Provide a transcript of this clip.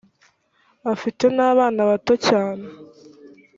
afite n abana bato cyane